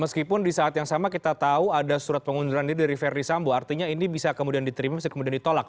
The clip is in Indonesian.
meskipun di saat yang sama kita tahu ada surat pengunduran diri dari verdi sambo artinya ini bisa kemudian diterima bisa kemudian ditolak